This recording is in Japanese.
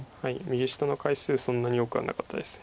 右下の回数そんなに多くはなかったです。